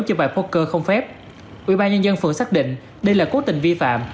cho bài poker không phép ubnd phường xác định đây là cố tình vi phạm